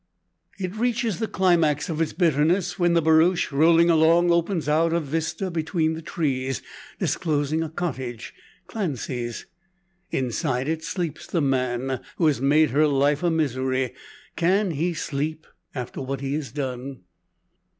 It reaches the climax of its bitterness, when the barouche rolling along opens out a vista between the trees, disclosing a cottage Clancy's. Inside it sleeps the man, who has made her life a misery! Can he sleep, after what he has done?